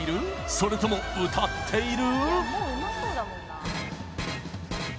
それとも歌っている？